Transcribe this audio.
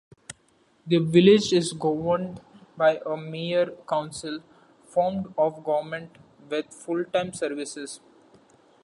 The village is governed by a mayor-council form of government, with full-time services.